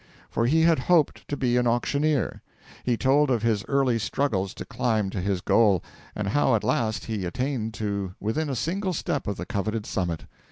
For he had hoped to be an auctioneer. He told of his early struggles to climb to his goal, and how at last he attained to within a single step of the coveted summit.